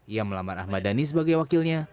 ia melamar ahmad dhani sebagai wakilnya